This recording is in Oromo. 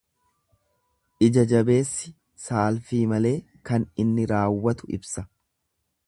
lja jabeessi saalfii malee kan inni raawwatu ibsa.